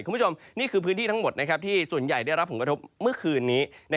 คุณผู้ชมนี่คือพื้นที่ทั้งหมดที่ส่วนใหญ่ได้รับผลกระทบเมื่อคืนนี้